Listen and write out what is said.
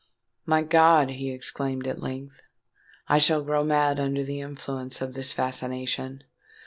"My God!" he exclaimed, at length, "I shall grow mad under the influence of this fascination!